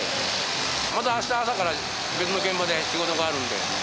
また明日朝から別の現場で仕事があるんで。